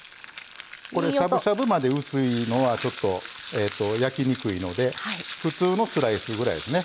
これしゃぶしゃぶまで薄いのはちょっと焼きにくいので普通のスライスぐらいですね。